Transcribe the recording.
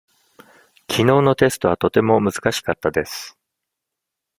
きのうのテストはとても難しかったです。